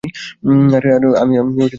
আরে আমি মরতেছি না!